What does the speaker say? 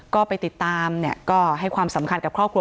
ก็ไปติดตามเนี่ยก็ให้ความสำคัญกับครอบครัว